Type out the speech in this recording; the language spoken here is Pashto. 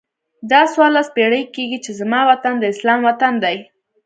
دا څوارلس پیړۍ کېږي چې زما وطن د اسلام وطن دی.